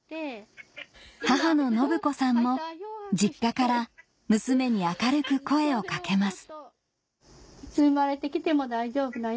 母の信子さんも実家から娘に明るく声をかけます